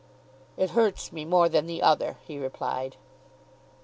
"It hurts me more than the other," he replied.